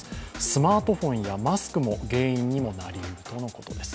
スマートフォンやマスクも原因にもなりうるということです。